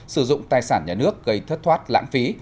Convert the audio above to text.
sử dụng tài sản nhà nước gây thất thoát lãng phí